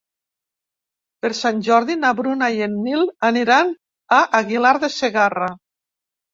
Per Sant Jordi na Bruna i en Nil aniran a Aguilar de Segarra.